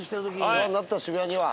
世話になった渋谷には。